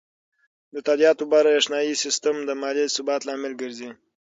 د تادیاتو بریښنایی سیستم د مالي ثبات لامل ګرځي.